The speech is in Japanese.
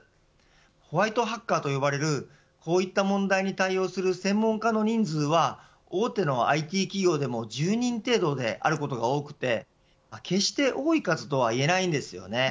ホワイトハッカーと呼ばれるこういった問題に対応する専門家の人数は大手のＩＴ企業でも１０人程度であることが多くて決して多い数とは言えないんです。